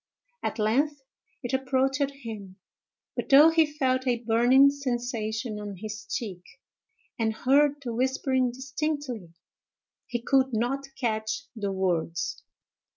At length it approached him; but though he felt a burning sensation on his cheek, and heard the whispering distinctly, he could not catch the words.